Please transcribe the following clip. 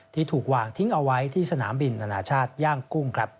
ถูกวางทิ้งเอาไว้ที่สนามบินนานาชาติย่างกุ้ง